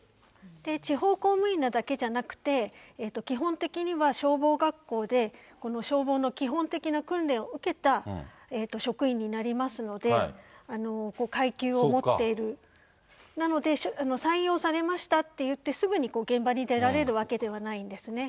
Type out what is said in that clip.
地方公務員なだけじゃなくて、基本的には消防学校で、この消防の基本的な訓練を受けた職員になりますので、階級を持っている、なので採用されましたっていって、すぐに現場に出られるわけではないんですね。